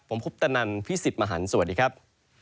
ผมคุปตะนันพี่สิทธิ์มหันฯสวัสดีครับ